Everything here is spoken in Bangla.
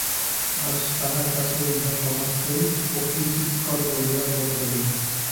আজ তাঁহার কাছে ইহা সমস্তই অকিঞ্চিৎকর বলিয়া বোধ হইল।